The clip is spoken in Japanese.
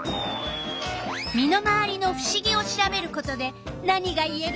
身の回りのふしぎを調べることで何がいえる？